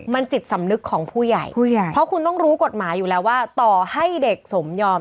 มันจิตสำนึกของผู้ใหญ่ผู้ใหญ่เพราะคุณต้องรู้กฎหมายอยู่แล้วว่าต่อให้เด็กสมยอม